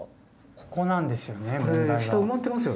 ここなんですよね問題は。